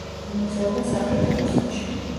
იმოგზაურა საბჭოთა რუსეთში.